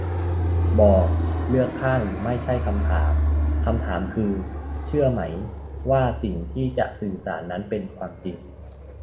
บอก เลือกข้างหรือไม่ใช่คำถาม; คำถามคือ เชื่อไหมว่าสิ่งที่จะสื่อสารนั้นเป็นความจริง